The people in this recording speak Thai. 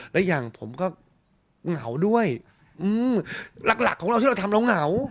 และอย่างผมก็เหงาด้วยหลักหลักของเราที่เราทำเราเหงา